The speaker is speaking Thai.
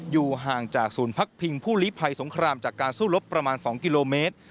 อยู่ห่างจากศูนย์พักพิงผู้ลิภัยสงครามจากการสู้รบประมาณ๒กิโลเมตร